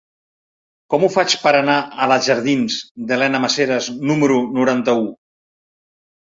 Com ho faig per anar a la jardins d'Elena Maseras número noranta-u?